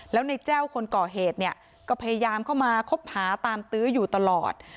แล้วในแจ้วคนก่อเหตุเนี่ยก็พยายามเข้ามาคบหาตามตื้ออยู่ตลอด